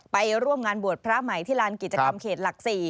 ไปร่วมงานบวชพระใหม่ที่ลานกิจกรรมเขตหลัก๔